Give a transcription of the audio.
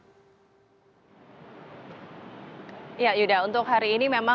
ini ada kabar pemeriksaan dalan iskan